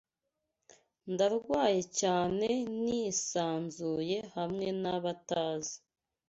Ndarwaye cyane nisanzuye hamwe nabatazi